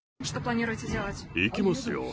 行きますよ。